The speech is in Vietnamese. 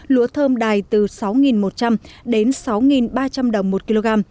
lúa thơm đài từ sáu một trăm linh đến sáu ba trăm linh đồng